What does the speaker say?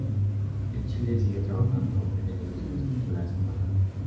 En Chile siguió trabajando en el negocio de esculturas en mármol.